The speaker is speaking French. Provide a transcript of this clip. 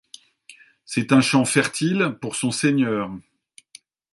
C'est un champ fertile pour son seigneur.